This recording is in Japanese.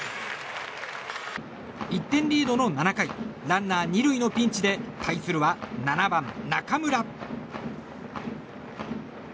１点リードの７回ランナー２塁のピンチで対するは７番、中村。